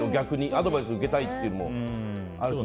アドバイス受けたいっていうのもあるし。